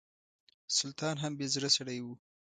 سلطان هم بې زړه سړی و.